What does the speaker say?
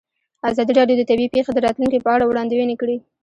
ازادي راډیو د طبیعي پېښې د راتلونکې په اړه وړاندوینې کړې.